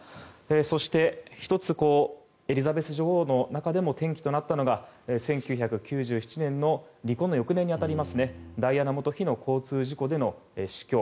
そして、１つエリザベス女王の中でも転機となったのが１９９７年の離婚の翌年に当たりますダイアナ元妃の交通事故での死去。